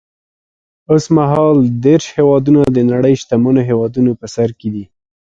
اوس مهال دېرش هېوادونه د نړۍ شتمنو هېوادونو په سر کې دي.